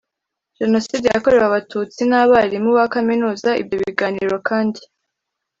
jenoside yakorewe abatutsi n abarimu ba kaminuza ibyo biganiro kandi